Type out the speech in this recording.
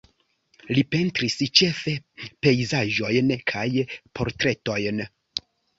Li pentris ĉefe pejzaĝojn kaj portretojn.